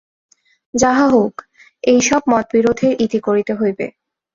যাহা হউক, এই সব মত-বিরোধের ইতি করিতে হইবে।